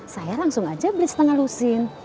saya langsung aja beli setengah lusin